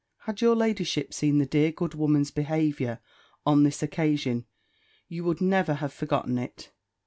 Had your ladyship seen the dear good woman's behaviour, on this occasion, you would never have forgotten it.